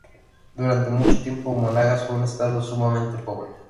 Durante mucho tiempo, Monagas fue un Estado sumamente pobre.